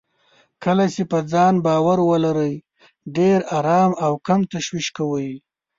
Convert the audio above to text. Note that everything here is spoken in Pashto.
کله چې په ځان باور ولرئ، ډېر ارام او کم تشويش کوئ.